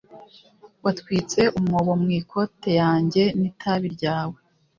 Watwitse umwobo mu ikoti yanjye n'itabi ryawe.